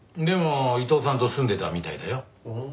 でも伊藤さんと住んでたみたいだよ。